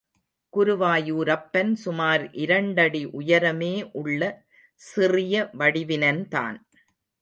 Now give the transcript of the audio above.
குருவாயூரப்பன் சுமார் இரண்டடி உயரமே உள்ள சிறிய வடிவினன் தான்.